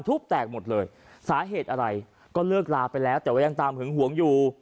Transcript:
แตกหมดเลยสาเหตุอะไรก็เลิกลาไปแล้วแต่ว่ายังตามหึงหวงอยู่